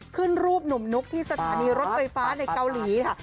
ขึ้นรูปหนุ่มนุ๊กที่สถานีรถไฟฟ้าในเกาหลีค่ะ